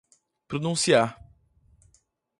pronunciar